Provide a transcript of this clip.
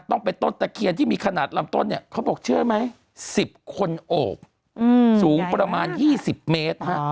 ต้องเป็นต้นตะเคียนที่มีขนาดลำต้นเนี่ยเขาบอกเชื่อไหม๑๐คนโอบสูงประมาณ๒๐เมตร